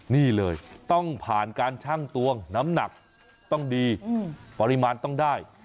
นี่เลยต้องผ่านการชั่งตวงน้ำหนักต้องดีปริมาณต้องได้